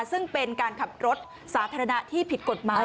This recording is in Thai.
ซึ่งเป็นการขับรถสาธารณะที่ผิดกฎหมาย